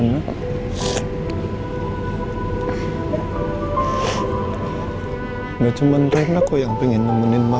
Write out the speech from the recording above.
sampai jumpa di video selanjutnya